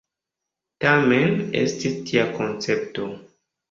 Tamen estis tia koncepto.